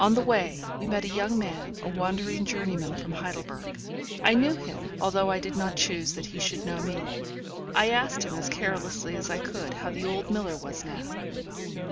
On the way, we met a young man, a wandering journeyman from Heidelberg. I knew him, although I did not choose that he should know me. I asked him, as carelessly as I could, how the old miller was now?